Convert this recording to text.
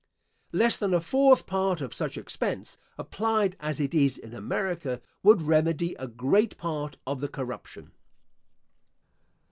Less than a fourth part of such expense, applied as it is in America, would remedy a great part of the corruption.